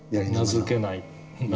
名付けない。